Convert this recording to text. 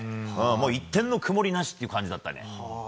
一点の曇りなしという感じだったね。